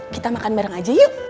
kita makan bareng aja yuk